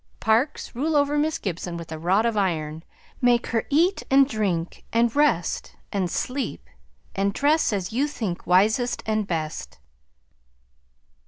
Parkes, rule over Miss Gibson with a rod of iron; make her eat and drink, and rest and sleep, and dress as you think wisest and best."